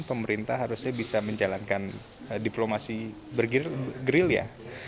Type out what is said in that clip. pemerintah harusnya bisa menjalankan diplomasi grill ya